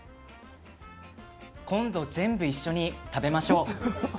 今度、全部一緒に食べましょう。